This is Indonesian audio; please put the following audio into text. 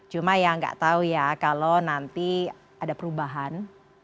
cuma ya gak tau ya kalau nanti ada perubahan